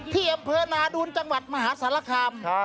ที่อำเภอนาดูนจังหวัดมหาสารคาม